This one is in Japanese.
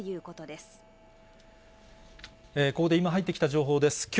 ここで今入ってきた情報です。